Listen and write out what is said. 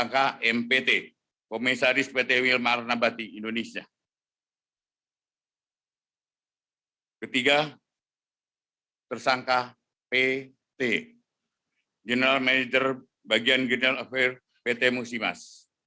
ketiga general manager bagian general affairs pt musimas